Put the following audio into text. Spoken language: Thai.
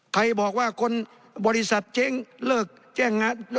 ใครบอกว่าคนบริษัทเจ๊งเลิกแจ้งงาน